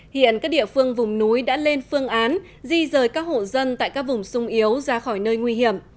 hiện các địa phương vùng núi đã lên phương án di rời các hộ dân tại các vùng sung yếu ra khỏi nơi nguy hiểm